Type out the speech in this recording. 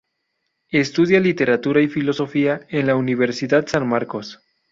Estudia literatura y filosofía en la universidad San Marcos.